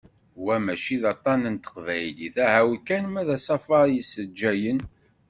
Wa mačči d aṭan n teqbaylit, ahaw kan, wa d asafar yessejjayen.